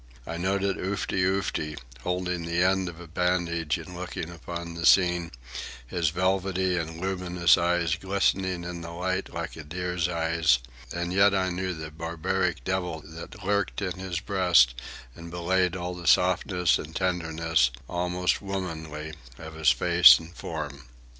I noted Oofty Oofty, holding the end of a bandage and looking upon the scene, his velvety and luminous eyes glistening in the light like a deer's eyes, and yet I knew the barbaric devil that lurked in his breast and belied all the softness and tenderness, almost womanly, of his face and form.